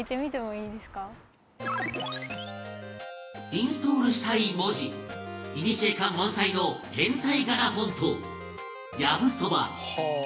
インストールしたい文字いにしえ感満載の変体仮名フォントやぶそば